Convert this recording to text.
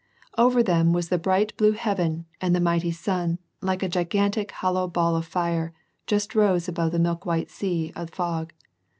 Over them was the blue bright heaven and the mighty sun, like a gigau tic, hollow ball of fire just rose above the milk white sea of fog.